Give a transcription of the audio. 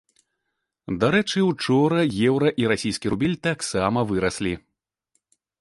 Дарэчы, учора еўра і расійскі рубель таксама выраслі.